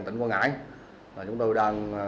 tỉnh quang ngãi chúng tôi đang